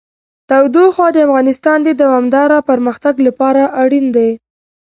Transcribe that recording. تودوخه د افغانستان د دوامداره پرمختګ لپاره اړین دي.